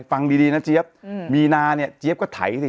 ฟังดีนะเจี๊ยบมีนาเนี่ยเจี๊ยบก็ไถสิ